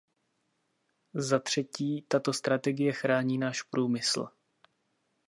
Zatřetí, tato strategie chrání náš průmysl.